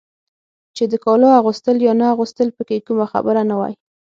چې د کالو اغوستل یا نه اغوستل پکې کومه خبره نه وای.